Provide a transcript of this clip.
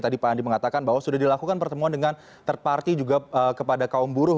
tadi pak andi mengatakan bahwa sudah dilakukan pertemuan dengan third party juga kepada kaum buruh